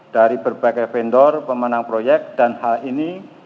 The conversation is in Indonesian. dari berbagai vendor pemenang proyek dan hal ini